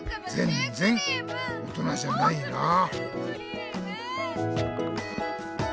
ぜんぜん大人じゃないなあ。